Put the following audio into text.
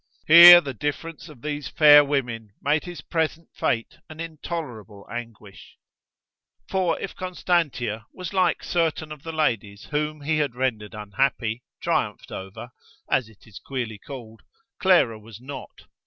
Here the difference of these fair women made his present fate an intolerable anguish. For if Constantia was like certain of the ladies whom he had rendered unhappy, triumphed over, as it is queerly called, Clara was not.